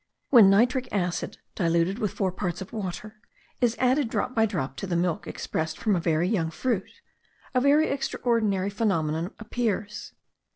When nitric acid, diluted with four parts of water, is added drop by drop to the milk expressed from a very young fruit, a very extraordinary phenomenon appears.